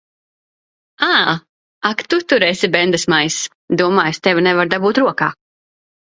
Ā! Ak tu tur esi, bendesmaiss! Domā, es tevi nevaru dabūt rokā.